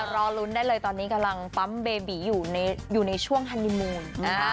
รอลุ้นได้เลยตอนนี้กำลังปั๊มเบบีอยู่ในช่วงฮันนิมูล